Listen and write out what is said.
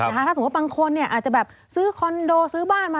ถ้าสมมุติบางคนอาจจะแบบซื้อคอนโดซื้อบ้านมา